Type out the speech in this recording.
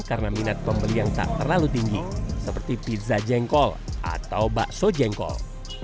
karena minat pembeli yang tak terlalu tinggi seperti pizza jengkol atau bakso jengkol